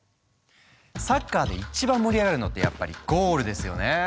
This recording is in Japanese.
サッカーで一番盛り上がるのってやっぱりゴールですよね！